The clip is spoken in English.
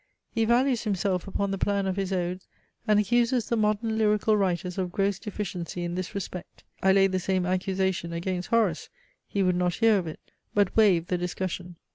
He values himself upon the plan of his odes, and accuses the modern lyrical writers of gross deficiency in this respect. I laid the same accusation against Horace: he would not hear of it but waived the discussion.